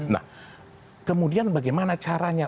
nah kemudian bagaimana caranya